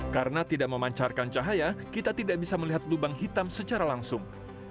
karena tidak memancarkan cahaya kita tidak bisa melihat lubang hitam secara langsung